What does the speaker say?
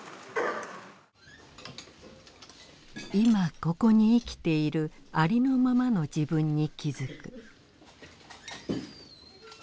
いまここに生きているありのままの自分に気づく。